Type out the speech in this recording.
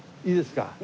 いいですか？